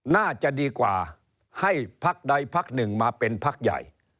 น่าจะดีกว่าให้พักใดพักหนึ่งมาเป็นพักใหญ่